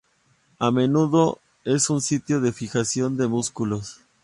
A menudo es un sitio de fijación de músculos.